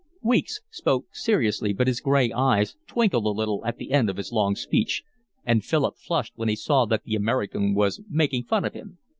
Weeks spoke seriously, but his gray eyes twinkled a little at the end of his long speech, and Philip flushed when he saw that the American was making fun of him.